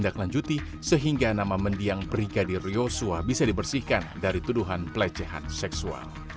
ketua bisa dibersihkan dari tuduhan pelecehan seksual